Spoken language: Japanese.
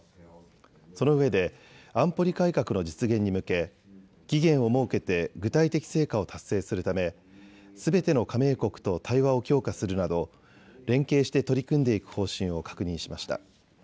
そのうえで安保理改革の実現に向け、期限を設けて具体的成果を達成するため、すべての加盟国と対話を強化するなど連携して取り組んでいく方針を確認しました。